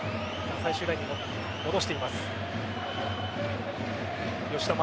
最終ラインに戻しています。